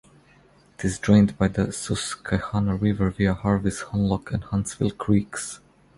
It is drained by the Susquehanna River via Harveys, Hunlock, and Huntsville creeks.